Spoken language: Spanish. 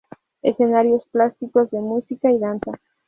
Escenarios plásticos de música y danza".